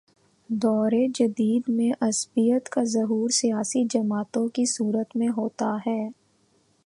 دور جدید میں عصبیت کا ظہور سیاسی جماعتوں کی صورت میں ہوتا ہے۔